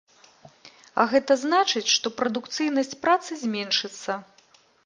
А гэта значыць, што прадукцыйнасць працы зменшыцца.